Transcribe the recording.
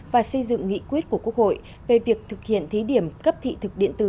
và xây dựng nghị quyết của quốc hội về việc thực hiện thí điểm cấp thị thực điện tử